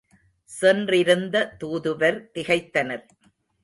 சென்றிருந்த தூதுவர் திகைத்தனர்.